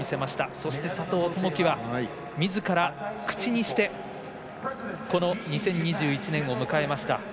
そして、佐藤友祈はみずから、口にしてこの２０２１年を迎えました。